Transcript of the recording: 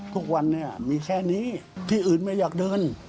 ทุกวันเนี่ยมีแค่นี้ที่อื่นไม่อยากเดิน